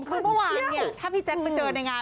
คือเมื่อวานเนี่ยถ้าพี่แจ๊คไปเจอในงาน